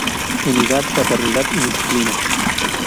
Unidad, fraternidad y disciplina.